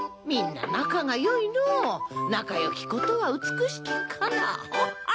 みんな仲が良いのお仲良きことは美しきかなはっ